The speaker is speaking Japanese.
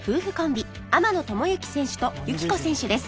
天野智之選手と裕紀子選手です